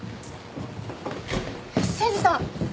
誠治さん